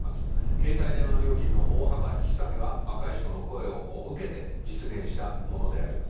携帯電話料金の大幅引き下げは若い人の声を受けて実現したものであります。